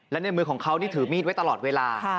และในมือของเขานี่ถือมีดไว้ตลอดเวลา